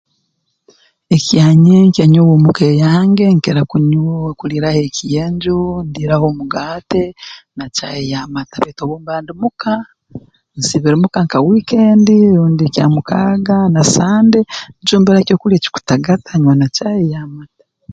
Ekyanyenka nyowe muka eyange nkira kunyw kuliiraho ekyenju ndiiraho omugaate na caayi y'amata baitu obu mba ndi muka nsiibire omu ka nka ha wiikendi rundi Kyamukaaga na Sande ncumbira ekyokulya ekikutagata nywa na caayi ey'amata